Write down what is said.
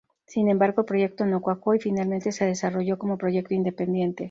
Sin embargo el proyecto no cuajó y finalmente se desarrolló como proyecto independiente.